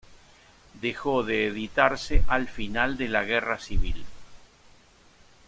Dejó de editarse al final de la Guerra civil.